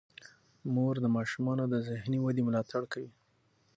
مور د ماشومانو د ذهني ودې ملاتړ کوي.